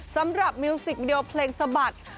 สำหรับมิวสิกวิดีโอเพลงสะบัด